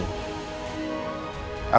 bukan berhubung sama elsa